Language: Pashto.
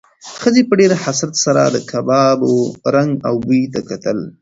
ښځې په ډېر حسرت سره د کبابو رنګ او بوی ته کتل.